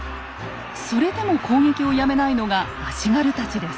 それでも攻撃をやめないのが足軽たちです。